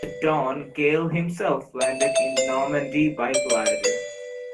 At dawn, Gale himself landed in Normandy by glider.